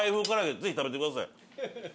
ぜひ食べてください。